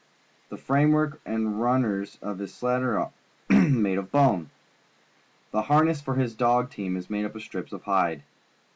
The framework and runners of his sled are made of bone. The harness for his dog team is made of strips of hide.